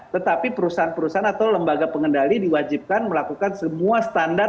tetapi perusahaan perusahaan atau lembaga pengendali diwajibkan melakukan semua standar